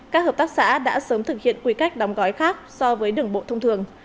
các hợp tác xã đã sớm thực hiện quy cách đóng gói khác so với đường bộ thông thường